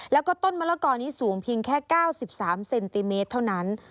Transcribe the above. แล้วก็ต้นมะละกอนี้สูงเพียงแค่๙๓เซนติเมตรเท่านั้น